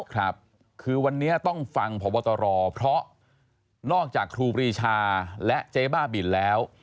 ครับคือวันนี้ต้องฟังพบตรเพราะนอกจากครูปรีชาและเจ๊บ้าบินแล้ว